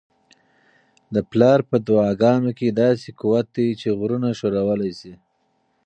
د پلار په دعاګانو کي داسې قوت دی چي غرونه ښورولی سي.